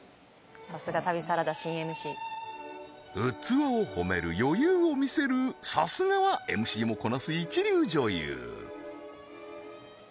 さすが旅サラダ新ＭＣ器を褒める余裕を見せるさすがはＭＣもこなす一流女優